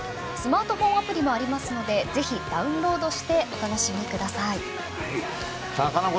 スマートフォンアプリもありますのでぜひダウンロードしてお楽しみください。